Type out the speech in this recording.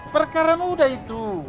perkara muda itu